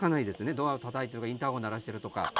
ドアをたたいてるとかインターホン鳴らしてるとか。